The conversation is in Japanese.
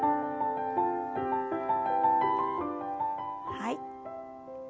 はい。